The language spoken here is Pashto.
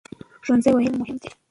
ښوونځی ولې مهم دی؟